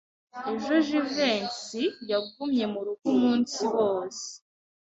Ejo Jivency yagumye murugo umunsi wose.